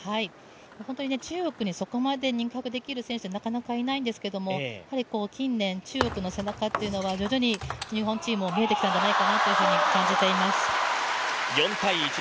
本当に中国にそこまで肉薄できる選手はなかなかいないんですが、近年、中国の背中は徐々に日本チームも見えてきたのではないかなと感じています。